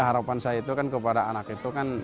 harapan saya itu kan kepada anak itu kan